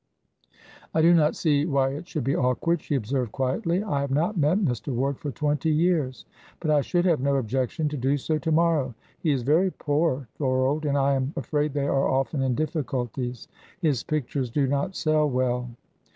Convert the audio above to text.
"I do not see why it should be awkward," she observed, quietly. "I have not met Mr. Ward for twenty years, but I should have no objection to do so to morrow. He is very poor, Thorold, and I am afraid they are often in difficulties. His pictures do not sell well."